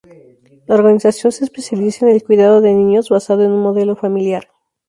La organización se especializa en el cuidado de niños basado en un modelo familiar.